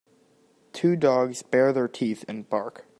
Two dogs bare their teeth and bark.